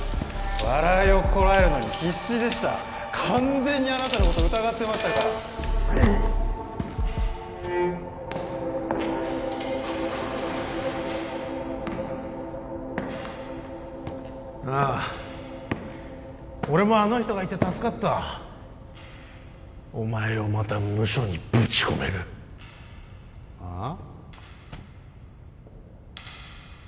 笑いをこらえるのに必死でした完全にあなたのこと疑ってましたからああ俺もあの人がいて助かったお前をまたムショにぶち込めるああ？